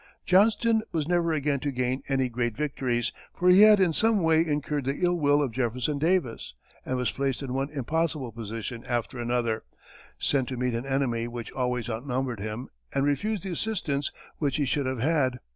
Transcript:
Johnston was never again to gain any great victories, for he had in some way incurred the ill will of Jefferson Davis, and was placed in one impossible position after another, sent to meet an enemy which always outnumbered him, and refused the assistance which he should have had.